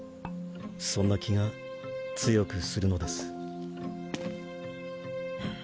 そんな気が強くするのです